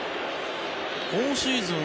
今シーズン